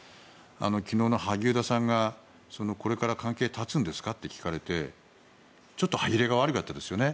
昨日の萩生田さんがこれから関係を絶つんですかと聞かれてちょっと歯切れが悪かったですよね。